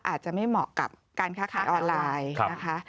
อาจจะไม่เหมาะกับการค้าขายออนไลน์นะคะ